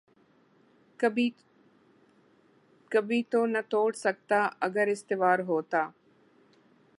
کبھی تو نہ توڑ سکتا اگر استوار ہوتا